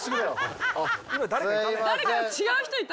今誰かいた？